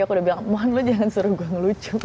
aku udah bilang mon lo jangan suruh gue ngelucu